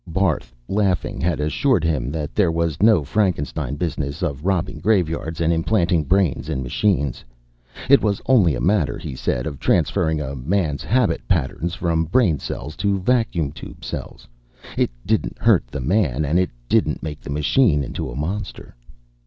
Barth, laughing, had assured him that there was no Frankenstein business of robbing graveyards and implanting brains in machines. It was only a matter, he said, of transferring a man's habit patterns from brain cells to vacuum tube cells. It didn't hurt the man and it didn't make the machine into a monster.